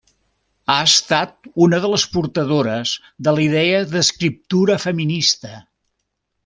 Ha estat una de les portadores de la idea d'escriptura feminista.